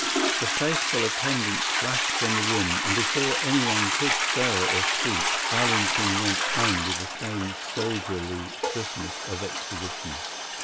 The faithful attendant flashed from the room, and before anyone could stir or speak Valentin went on with the same soldierly swiftness of exposition.